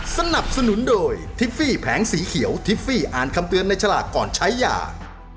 สนับสนุนโดยทิฟฟี่แผงสีเขียวทิฟฟี่อ่านคำเตือนในฉลากก่อนใช้ยา